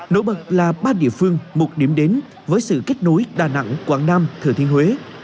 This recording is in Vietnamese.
nổi bật là ba địa phương một điểm đến với sự kết nối đà nẵng quảng nam thừa thiên huế